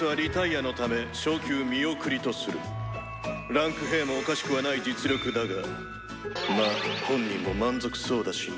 位階『５』もおかしくはない実力だがまぁ本人も満足そうだしな」。